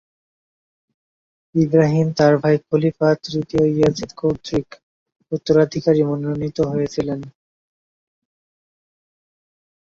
ইবরাহিম তার ভাই খলিফা তৃতীয় ইয়াজিদ কর্তৃক উত্তরাধিকারী মনোনীত হয়েছিলেন।